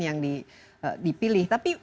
yang dipilih tapi